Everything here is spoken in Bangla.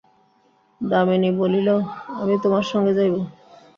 দামিনী বলিল, আমি তোমার সঙ্গে যাইব।